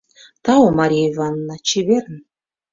Тау, Мария Ивановна, чеверын.